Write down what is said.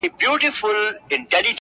نازکبچياننازکګلونهيېدلېپاتهسي،